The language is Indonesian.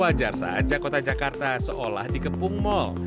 wajar saja kota jakarta seolah dikepung mal